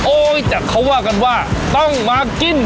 โอ๊ยแต่เขาว่ากันว่าต้องมากิน